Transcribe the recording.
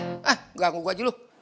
hah ganggu gue aja dulu